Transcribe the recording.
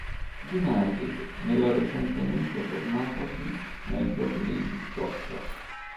United, nella recentemente formatasi Major League Soccer.